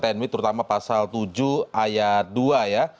tni terutama pasal tujuh ayat dua ya